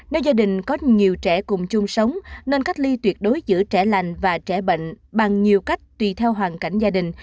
nơi gia đình có nhiều trẻ cùng chung sống nên cách ly tuyệt đối giữa trẻ lành và trẻ bệnh bằng nhiều cách tùy theo hoàn cảnh gia đình